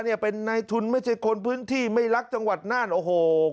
เนี่ยเป็นนายทุนไม่ใช่คนพื้นที่ไม่รักจังหวัดน่านโอ้โห